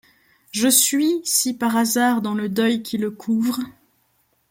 Je suis, si par hasard dans le deuil qui le couvre